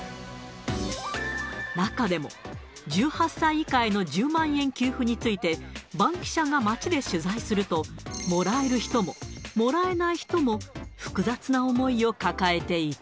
中でも、１８歳以下への１０万円給付について、バンキシャが街で取材すると、もらえる人も、もらえない人も、複雑な思いを抱えていた。